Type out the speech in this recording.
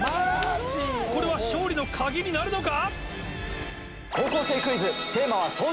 これは勝利の鍵になるのか？